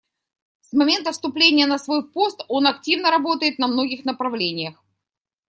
С момента вступления на свой пост он активно работает на многих направлениях.